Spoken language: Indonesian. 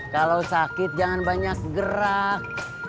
kalau sakit jangan banyak gerak